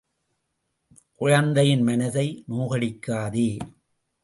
குழந்தையின் மனசை நோகடிக்காதே.